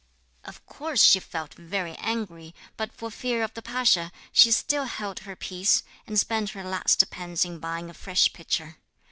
Of course she felt very angry, but for fear of the pasha she still held her peace, and spent her last pence in buying a fresh pitcher.